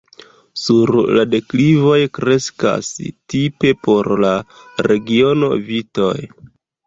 Sur la deklivoj kreskas, tipe por la regiono, vitoj.